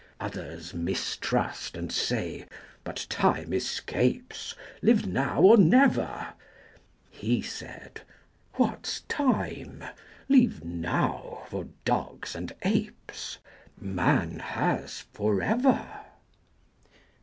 80 Others mistrust and say, "But time escapes: Live now or never!" He said, "What's time? Leave Now for dogs and apes! Man has Forever."